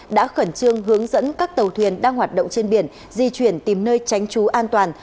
đã khẩn trương hướng dẫn các tàu thuyền đang hoạt động trên biển di chuyển tìm nơi tránh trú an toàn